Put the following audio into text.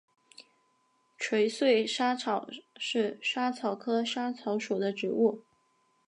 垂穗莎草是莎草科莎草属的植物。